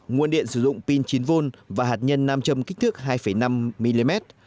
nguồn điện sử dụng pin chín v và hạt nhân nam châm kích thước hai năm mm